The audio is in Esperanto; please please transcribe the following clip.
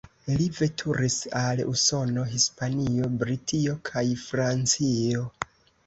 Li veturis al Usono, Hispanio, Britio kaj Francio.